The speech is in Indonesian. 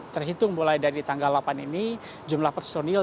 terhitung mulai dari tanggal delapan ini jumlah personil